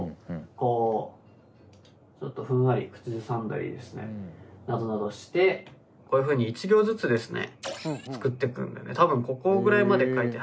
こうちょっとふんわり口ずさんだりですねなどなどしてこういうふうに１行ずつですね作ってくんでね多分ここぐらいまで書いて。